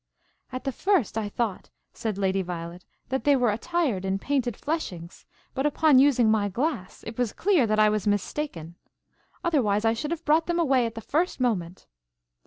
"At the first I thought," said Lady Violet, "that they were attired in painted fleshings, but upon using my glass, it was clear that I was mistaken. Otherwise, I should have brought them away at the first moment."